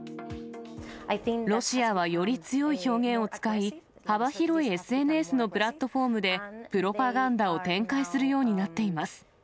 ロシアはより強い表現を使い、幅広いＳＮＳのプラットフォームでプロパガンダを展開するようになっています。